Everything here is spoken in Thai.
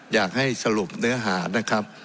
อยากให้สรุปเนื้อหานะครับ